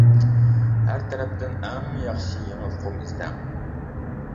ھەر تەرەپتىن ئەڭ ياخشى يېڭى ئۇقۇم ئىزدەڭ.